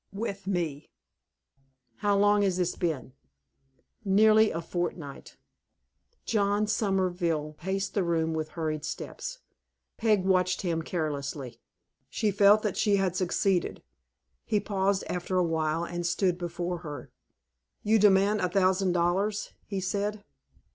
"With me." "How long has this been?" "Nearly a fortnight." John Somerville paced the room with hurried steps. Peg watched him carelessly. She felt that she had succeeded. He paused after awhile, and stood before her. "You demand a thousand dollars," he said.